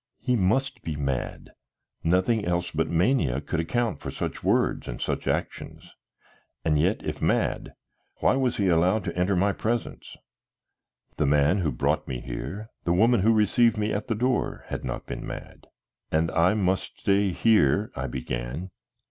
He must be mad; nothing else but mania could account for such words and such actions; and yet, if mad, why was he allowed to enter my presence? The man who brought me here, the woman who received me at the door, had not been mad. "And I must stay here " I began.